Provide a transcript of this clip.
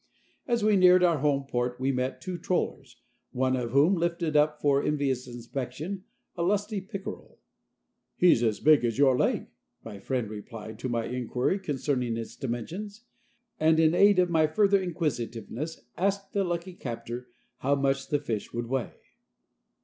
As we neared our home port we met two trollers, one of whom lifted up for envious inspection a lusty pickerel. "He's as big as your leg," my friend replied to my inquiry concerning its dimensions, and in aid of my further inquisitiveness asked the lucky captor how much the fish would weigh.